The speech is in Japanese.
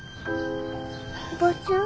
おばちゃん。